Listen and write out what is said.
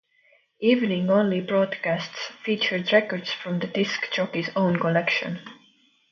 Evening-only broadcasts featured records from the disc jockey's own collection.